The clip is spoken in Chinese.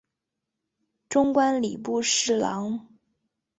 终官礼部侍郎。